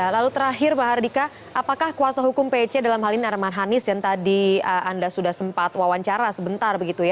lalu terakhir pak hardika apakah kuasa hukum pc dalam hal ini arman hanis yang tadi anda sudah sempat wawancara sebentar begitu ya